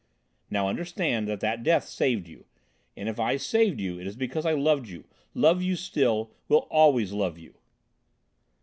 "Now, understand that that death saved you, and if I saved you it is because I loved you, love you still, will always love you!"